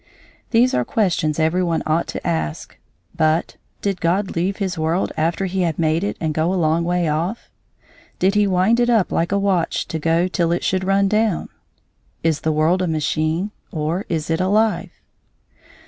These are questions every one ought to ask, but did God leave his world after He had made it and go a long way off? Did He wind it up like a watch to go till it should run down? Is the world a machine, or is it alive?